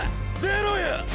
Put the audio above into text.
出ろよ！！